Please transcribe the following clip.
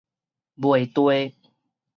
賣地